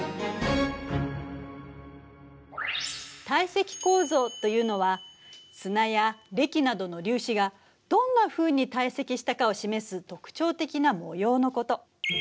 堆積構造というのは砂やれきなどの粒子がどんなふうに堆積したかを示す特徴的な模様のこと。